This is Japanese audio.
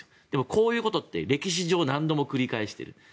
でもこういうことって歴史上、何度も繰り返している。